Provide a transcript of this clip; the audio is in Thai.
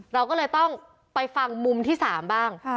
เราก็เลยต้องไปฟังมุมที่๓บ้าง